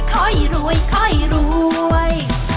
ค่อยรวยค่อยรวย